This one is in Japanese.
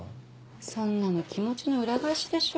そんなの気持ちの裏返しでしょ。